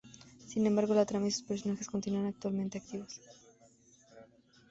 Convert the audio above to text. Sin embargo la trama y sus personajes continúan actualmente activos.